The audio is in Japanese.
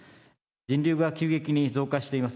人流が急激に増加しています。